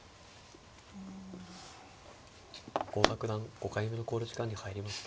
郷田九段５回目の考慮時間に入りました。